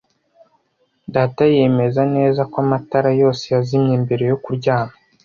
Data yemeza neza ko amatara yose yazimye mbere yo kuryama.